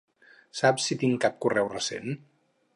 Saps si tinc cap correu recent?